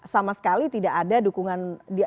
sama sekali tidak ada dukungan